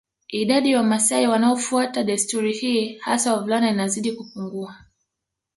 Idadi ya Wamasai wanaofuata desturi hii hasa wavulana inazidi kupungua